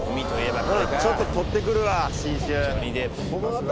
ちょっと獲ってくるわ新種。